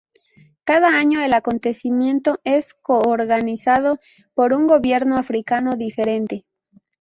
Cada año el acontecimiento es co-organizado por un gobierno africano diferente.